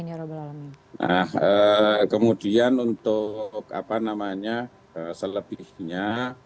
nah kemudian untuk apa namanya selebihnya